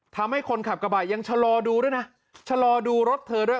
ทำให้คนขับกระบะยังชะลอดูด้วยนะชะลอดูรถเธอด้วย